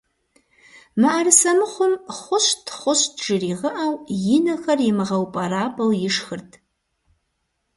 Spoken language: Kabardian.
МыӀэрысэ мыхъум «хъущт, хъущт» жригъэӏэу, и нэхэр имыгъэупӏэрапӏэу ишхырт.